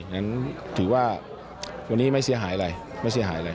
นั้นถือว่าวันนี้ไม่เสียหายอะไรไม่เสียหายอะไร